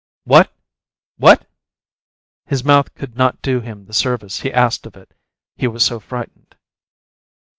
"What what " His mouth could not do him the service he asked of it, he was so frightened.